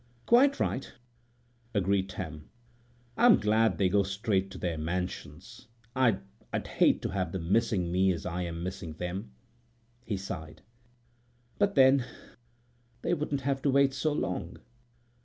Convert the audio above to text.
"Quite right," agreed Tam. "I'm glad they go straight to their mansions. I'd—I'd hate to have them missing me as I am missing them." He sighed. "But, then, they wouldn't have to wait so long."